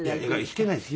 弾けないんです。